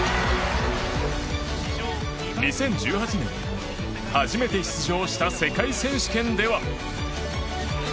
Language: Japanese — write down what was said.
２０１８年、初めて出場した世界選手権では。